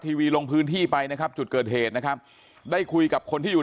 ทีวีลงพื้นที่ไปนะครับจุดเกิดเหตุนะครับได้คุยกับคนที่อยู่